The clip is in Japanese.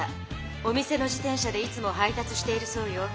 お店の自転車でいつも配達しているそうよ。